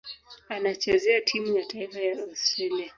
Anachezea timu ya taifa ya Australia.